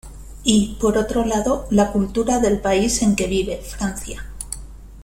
Y, por otro lado, la cultura del país en que vive, Francia.